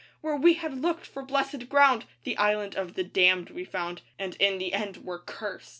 Where we had looked for blesséd ground The Island of the Damned we found, And in the end were curst!